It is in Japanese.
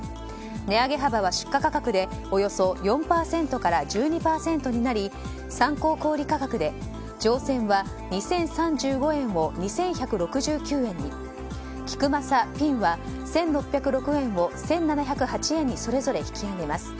値上げ幅は出荷額でおよそ４％から１２％になり参考小売価格で上撰は２０３５円を２１６９円にキクマサピンは、１６０６円を１７０８円に引き上げます。